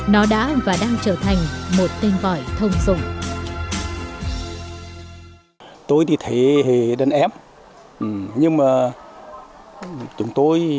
nó đã và đang trở thành một tên gọi thông dụng